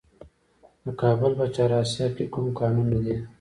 د کابل په چهار اسیاب کې کوم کانونه دي؟